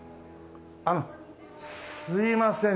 あっすいません。